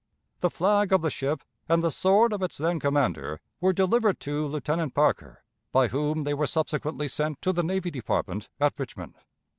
The flag of the ship and the sword of its then commander were delivered to Lieutenant Parker, by whom they were subsequently sent to the Navy Department at Richmond.